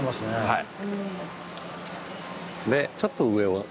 はい。